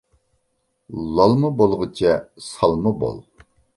لالما بولغۇچە سالما بول.